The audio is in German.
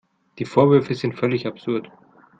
Die Vorwürfe sind völlig absurd.